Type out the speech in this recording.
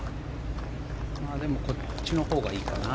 でもこっちのほうがいいかな。